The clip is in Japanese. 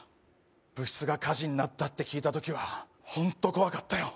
部室が火事になったって聞いたときはホント怖かったよ。